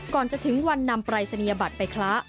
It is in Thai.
ก่อนจะถึงวันนำปรายศนียบัตรไปคละ